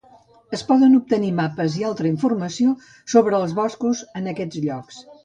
Es poden obtenir mapes i altra informació sobre els boscos en aquests llocs.